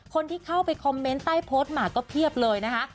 คนที่เข้าไปคอมเมนต์ใต้โพสต์มาก็เพียบเลยนะคะ